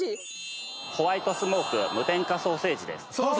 ホワイトスモーク無添加ソーセージです。